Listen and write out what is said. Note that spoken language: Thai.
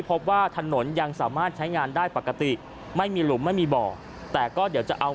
พบว่าถนนยังสามารถใช้งานได้ปกติไม่มีหลุมไม่มีบ่อแต่ก็เดี๋ยวจะเอา